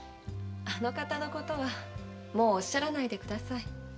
あの方のことはもうおっしゃらないでください。